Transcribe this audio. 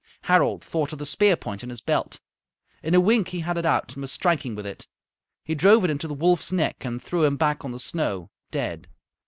Harald thought of the spear point in his belt. In a wink he had it out and was striking with it. He drove it into the wolf's neck and threw him back on the snow, dead.